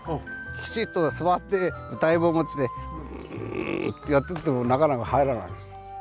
きちっと座って謡本持ってんってやってるとなかなか入らないんです。